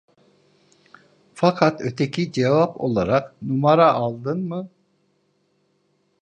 Fakat öteki cevap olarak: "Numara aldın mı?"